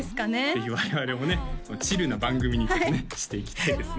ぜひ我々もねチルな番組にちょっとねしていきたいですね